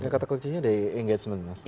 kata kuncinya ada engagement mas